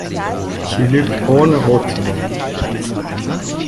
Sie lügt, ohne rot zu werden.